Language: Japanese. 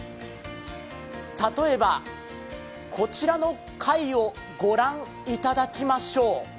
例えば、こちらの貝を御覧いただきましょう。